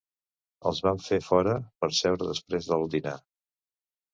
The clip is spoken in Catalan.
Els vam fer fora per seure després del dinar.